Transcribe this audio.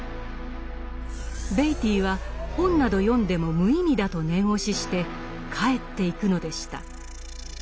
ベイティーは本など読んでも無意味だと念押しして帰っていくのでした。